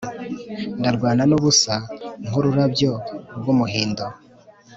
ndarwana nubusa nkururabyo rwumuhindo